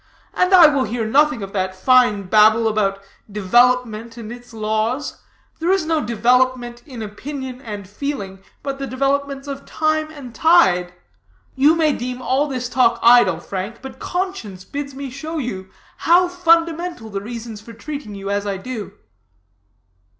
I will hear nothing of that fine babble about development and its laws; there is no development in opinion and feeling but the developments of time and tide. You may deem all this talk idle, Frank; but conscience bids me show you how fundamental the reasons for treating you as I do."